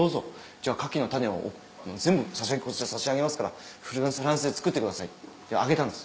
じゃあ牡蠣の種を全部そちらに差し上げますからフランスで作ってください」ってあげたんです。